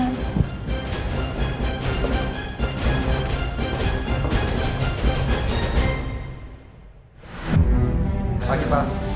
selamat pagi mak